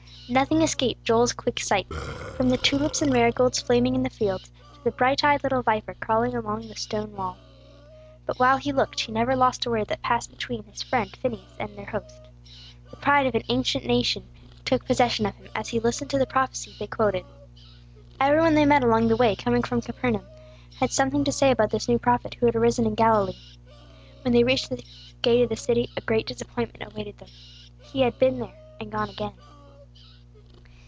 Nothing escaped Joel's quick sight, from the tulips and marigolds flaming in the fields, to the bright eyed little viper crawling along the stone wall. But while he looked, he never lost a word that passed between his friend Phineas and their host. The pride of an ancient nation took possession of him as he listened to the prophecies they quoted. Every one they met along the way coming from Capernaum had something to say about this new prophet who had arisen in Galilee. When they reached the gate of the city, a great disappointment awaited them. _He had been there, and gone again.